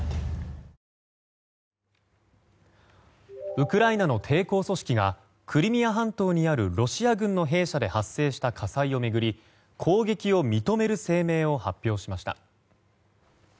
ウクライナの抵抗組織がクリミア半島にあるロシア軍の兵舎で発生した火災を巡り攻撃を認める声明を発表しました。